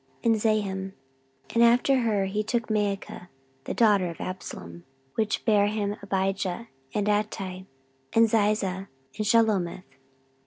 14:011:020 And after her he took Maachah the daughter of Absalom; which bare him Abijah, and Attai, and Ziza, and Shelomith.